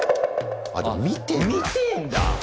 見てんだ！